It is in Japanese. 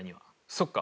そっか。